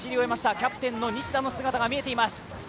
キャプテンの西田の姿が見えています。